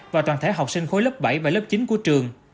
và toàn thể học sinh khối lớp bảy và lớp chín của trường